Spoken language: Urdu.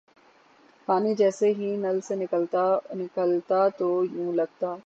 پانی جیسے ہی نل سے نکلتا تو یوں لگتا